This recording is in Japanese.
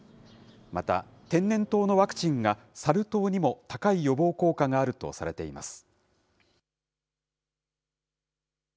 また天然痘のワクチンが、サル痘にも高い予防効果があるとされています。